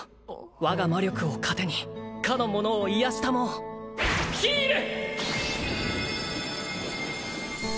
我が魔力を糧に彼のものを癒やし給うヒール！